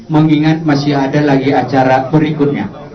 mengingat masih ada lagi acara berikutnya